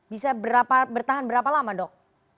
bisa bertahan berapa lama dok